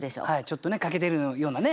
ちょっとね欠けてるようなね。